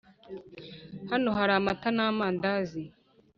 hano hari amata n’ amandazi